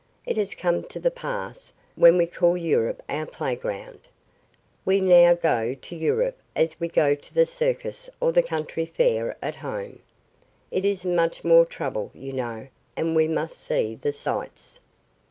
It has come to the pass when we call Europe our playground. We now go to Europe as we go to the circus or the county fair at home. It isn't much more trouble, you know, and we must see the sights."